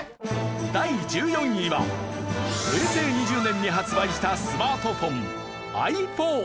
第１４位は平成２０年に発売したスマートフォンｉＰｈｏｎｅ。